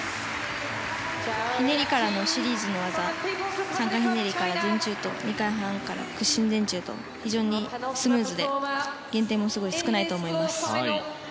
ひねりからのシリーズの技３回ひねりから前宙と２回半から屈身前宙と、非常にスムーズで減点も少ないと思います。